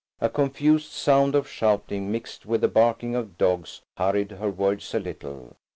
A confused sound of shouting mixed with the barking of dogs hurried her words a little.